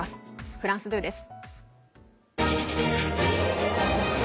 フランス２です。